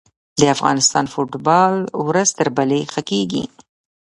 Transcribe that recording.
د افغانستان فوټبال ورځ تر بلې ښه کیږي.